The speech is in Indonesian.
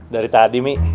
dari tadi mi